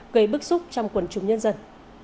gây bức xúc trong quần chúng nhân dân